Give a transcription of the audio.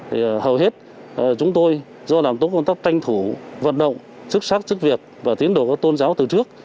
thì hầu hết chúng tôi do làm tốt công tác tranh thủ vận động chức sắc chức việc và tín đồ có tôn giáo từ trước